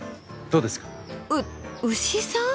う牛さん？